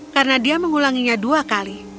karena dia mengulanginya dua kali